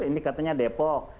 ini katanya depok